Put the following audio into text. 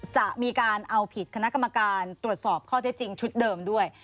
จะมีการเอาผิดคณะกรรมการตรวจสอบข้อเท็จจริงชุดเดิมด้วย